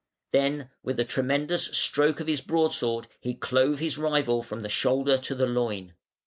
Then with a tremendous stroke of his broadsword he clove his rival from the shoulder to the loin.